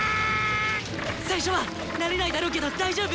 最初は慣れないだろうけど大丈夫！